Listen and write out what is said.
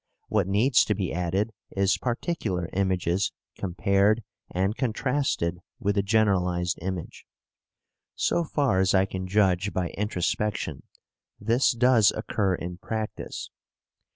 What needs to be added is particular images compared and contrasted with the generalized image. So far as I can judge by introspection, this does occur in practice.